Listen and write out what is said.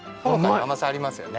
甘さありますよね。